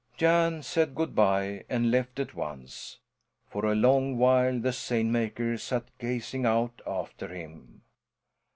Jan said good bye, and left at once. For a long while the seine maker sat gazing out after him.